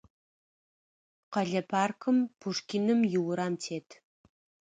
Къэлэ паркыр Пушкиным иурам тет.